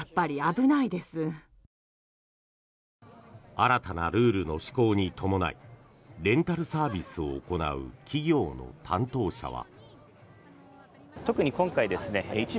新たなルールの施行に伴いレンタルサービスを行う企業の担当者は。